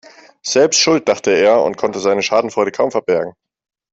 Selbst schuld, dachte er und konnte seine Schadenfreude kaum verbergen.